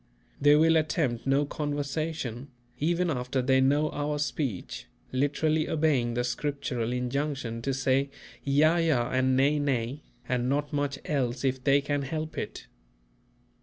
They will attempt no conversation, even after they know our speech, literally obeying the Scriptural injunction to say "Yea, yea and nay, nay," and not much else if they can help it.